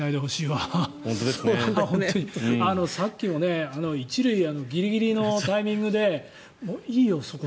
さっきも１塁ギリギリのタイミングでいいよ、そこ